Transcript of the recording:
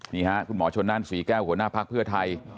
นี่ฮะคุณหมอชนนั่นศรีแก้วหัวหน้าภักดิ์เพื่อไทย